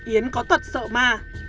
yến có tật sợ ma